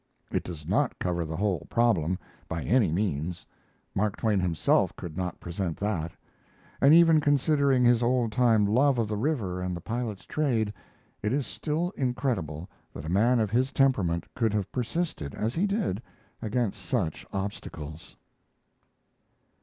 It does not cover the whole problem, by any means Mark Twain himself could not present that; and even considering his old time love of the river and the pilot's trade, it is still incredible that a man of his temperament could have persisted, as he did, against such obstacles.